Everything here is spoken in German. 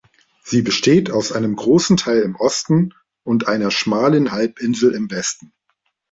Sie besteht aus einem großen Teil im Osten und einer schmalen Halbinsel im Westen.